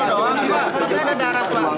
katanya ada darat banget